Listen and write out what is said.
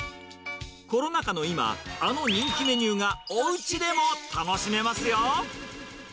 コロナ禍の今、あの人気メニューがおうちでも楽しめますよ。